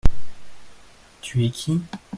Tu es qui ?